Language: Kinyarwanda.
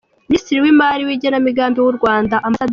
Minisitiri w’Imari w’igenamigami w’u Rwanda, Amb.